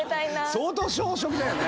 相当小食だよね。